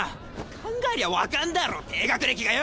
考えりゃ分かんだろ低学歴がよ！